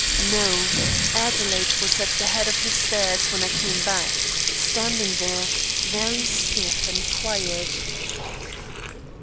"No. Adelaide was at the head of the stairs when I came back, standing there, very stiff and quiet."